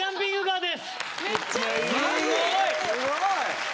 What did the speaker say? すごい！